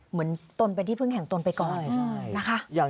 เหมือนตนเป็นที่เพิ่งแข็งตนไปก่อนนะคะ